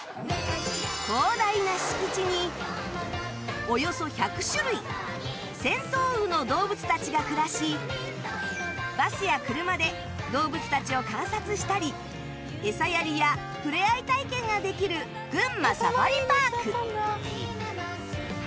広大な敷地におよそ１００種類１０００頭羽の動物たちが暮らしバスや車で動物たちを観察したりエサやりやふれあい体験ができる群馬サファリパーク